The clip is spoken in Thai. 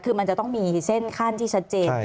คือมันจะต้องมีเส้นขั้นที่ชัดเจน